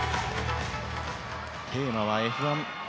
テーマはＦ１。